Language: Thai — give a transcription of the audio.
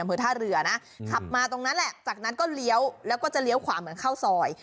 อำเภอท่าเรือนะขับมาตรงนั้นแหละจากนั้นก็เลี้ยวแล้วก็จะเลี้ยวขวาเหมือนเข้าซอย